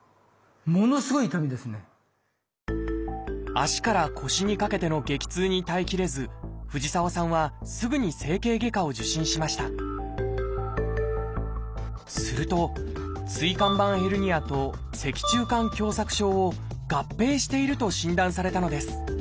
脚から腰にかけての激痛に耐え切れず藤沢さんはすぐに整形外科を受診しましたすると「椎間板ヘルニア」と「脊柱管狭窄症」を合併していると診断されたのです。